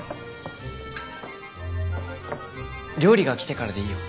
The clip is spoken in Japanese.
料理が来てからでいいよ。